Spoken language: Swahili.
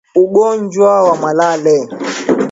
Ugonjwa wa malale